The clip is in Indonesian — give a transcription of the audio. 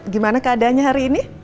gimana keadaannya hari ini